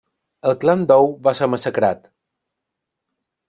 El clan Dou va ser massacrat.